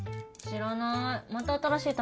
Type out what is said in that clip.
知らない。